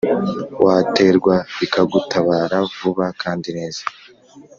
waterwa ikagutabara vuba kandi neza